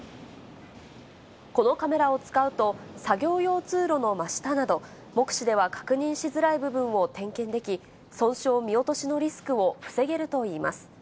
このカメラを使うと、作業用通路の真下など、目視では確認しづらい部分を点検でき、損傷見落としのリスクを防げるといいます。